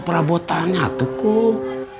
prabu tanya tukung